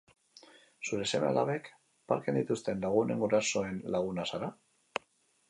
Zure seme alabek, parken dituzten lagunen gurasoen laguna zara?